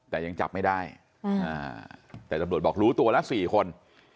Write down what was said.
แต่ยังจับไม่ได้แต่ตำรวจบอกรู้ตัวละ๔คน